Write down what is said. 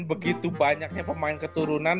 begitu banyaknya pemain keturunan